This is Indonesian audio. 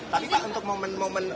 tapi pak untuk momen momen